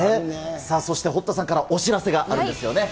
さあ、そして堀田さんからお知らせがあるんですよね。